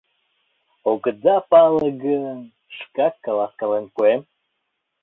Огыда пале гын, шкак каласкален пуэм.